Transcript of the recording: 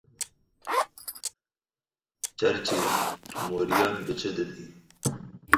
Çerçî tu moriyan bi çi didî?